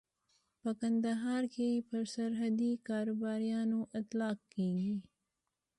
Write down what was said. په کندهار کې پر سرحدي کاروباريانو اطلاق کېږي.